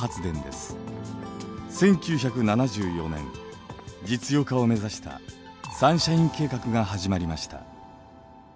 １９７４年実用化を目指したサンシャイン計画が始まりました。